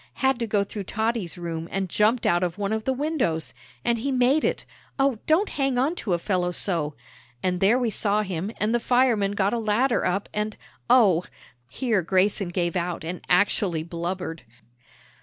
Had to go through Toddy's room, and jumped out of one of the windows. And he made it. Oh, don't hang on to a fellow so! And there we saw him, and the firemen got a ladder up, and, oh " Here Grayson gave out and actually blubbered.